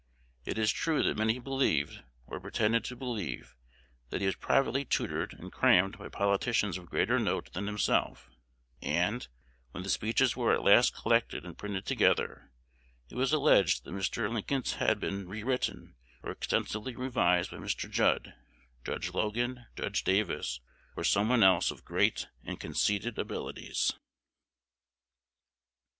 It is true that many believed, or pretended to believe, that he was privately tutored and "crammed" by politicians of greater note than himself; and, when the speeches were at last collected and printed together, it was alleged that Mr. Lincoln's had been re written or extensively revised by Mr. Judd, Judge Logan, Judge Davis, or some one else of great and conceded abilities.